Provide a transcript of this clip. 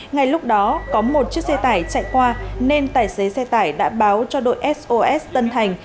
ngay lúc đó có một chiếc xe tải chạy qua nên tài xế xe tải đã báo cho đội sos tân thành